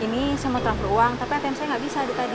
ini semua transfer uang tapi fm saya nggak bisa di tadi